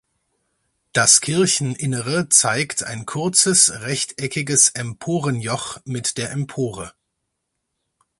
Das Kircheninnere zeigt ein kurzes rechteckiges Emporenjoch mit der Empore.